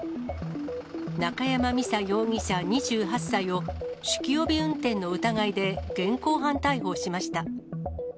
中山美沙容疑者２８歳を酒気帯び運転の疑いで現行犯逮捕しました。